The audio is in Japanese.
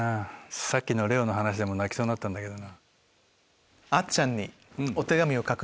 さっきの玲雄の話でも泣きそうになったんだけどな。